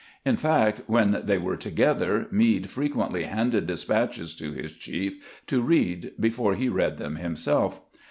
In fact, when they were together, Meade frequently handed despatches to his chief to read before he read them himself.